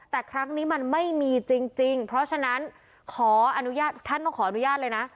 แต่ครั้งนี้มันไม่มีจริงเพราะฉะนั้นขออนุญาตท่านต้องขออนุญาตเลยนะ